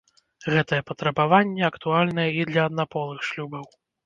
Гэтае патрабаванне актуальнае і для аднаполых шлюбаў.